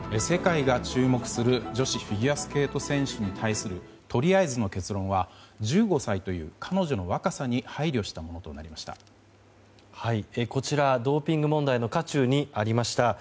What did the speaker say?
世界が注目する女子フィギュアスケート選手に対するとりあえずの結論は１５歳という彼女の若さに配慮したものとなりました。